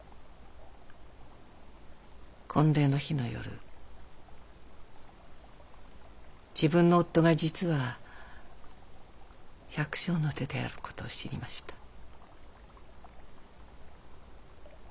婚礼の日の夜自分の夫が実は百姓の出である事を知りました。